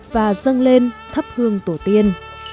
và dâng lên thấp hương tổ tiên